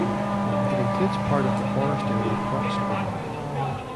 It includes parts of the forest area Krokskogen.